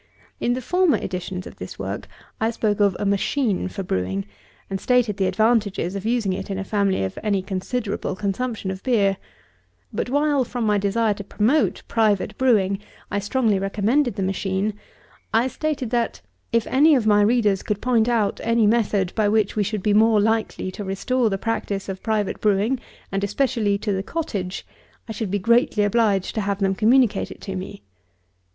In the former editions of this work, I spoke of a machine for brewing, and stated the advantages of using it in a family of any considerable consumption of beer; but, while, from my desire to promote private brewing, I strongly recommended the machine, I stated that, "if any of my readers could point out any method by which we should be more likely to restore the practice of private brewing, and especially to the cottage, I should be greatly obliged to them to communicate it to me."